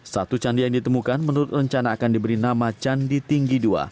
satu candi yang ditemukan menurut rencana akan diberi nama candi tinggi ii